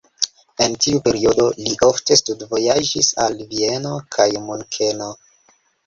En tiu periodo li ofte studvojaĝis al Vieno kaj Munkeno.